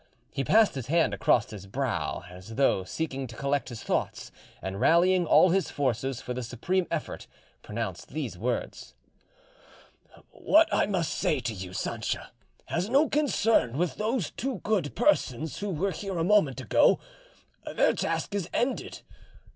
He passed his hand across his brow, as though seeking to collect his thoughts, and rallying all his forces for the supreme effort, pronounced these words: "What I must say to you, Sancha, has no concern with those two good persons who were here a moment ago: their task is ended.